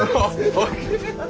おい！